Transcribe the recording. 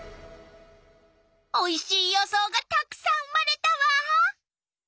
おいしい予想がたくさん生まれたわ！